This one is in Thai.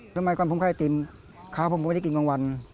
ทำไมก่อนผมข้าวไอติมข้าวผมก็ได้กินกว่างวัน